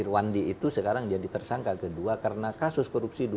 irwandi itu sekarang jadi tersangka kedua karena kasus korupsi dua ribu